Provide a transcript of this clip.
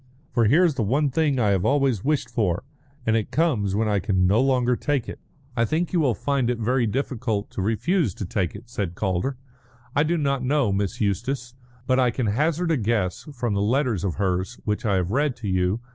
"For here's the one thing I have always wished for, and it comes when I can no longer take it." "I think you will find it very difficult to refuse to take it," said Calder. "I do not know Miss Eustace, but I can hazard a guess from the letters of hers which I have read to you.